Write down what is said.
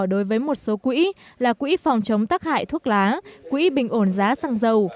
đối với một số quỹ là quỹ phòng chống tắc hại thuốc lá quỹ bình ổn giá xăng dầu